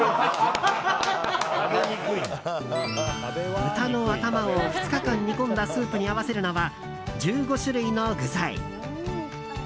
豚の頭を２日間煮込んだスープに合わせるのは１５種類の具材。